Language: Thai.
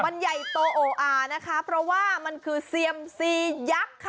มันใหญ่โตโออานะคะเพราะว่ามันคือเซียมซียักษ์ค่ะ